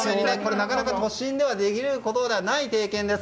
なかなか都心ではできない経験です。